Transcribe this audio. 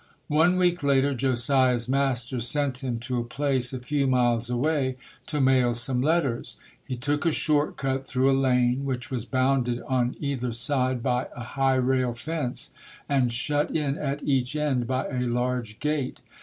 One week later Josiah's master sent him to a place a few miles away to mail some letters. He took a short cut through a lane which was bounded on either side by a high rail fence and shut in at each end by a large gate.